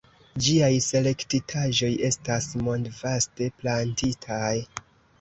Ĝiaj selektitaĵoj estas mondvaste plantitaj.